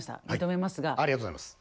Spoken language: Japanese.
ありがとうございます。